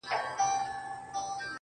چي د خندا خبري پټي ساتي~